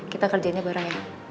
kita kerjanya bareng